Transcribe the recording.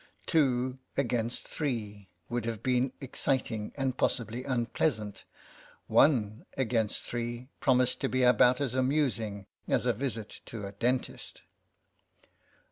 Two against three would have been ex citing and possibly unpleasant ; one against three promised to be about as amusing as a visit to a dentist.